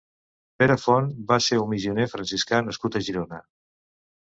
Pere Font va ser un missioner franciscà nascut a Girona.